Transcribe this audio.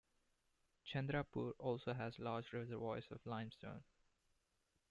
Chandrapur also has large reservoirs of limestone.